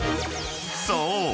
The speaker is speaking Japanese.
［そう！